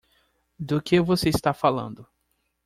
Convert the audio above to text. Do que você está falando?